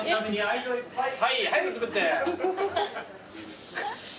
はい早く作って。